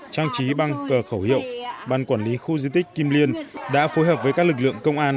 trang trí băng cờ khẩu hiệu ban quản lý khu di tích kim liên đã phối hợp với các lực lượng công an